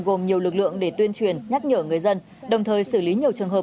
gồm nhiều lực lượng để tuyên truyền nhắc nhở người dân đồng thời xử lý nhiều trường hợp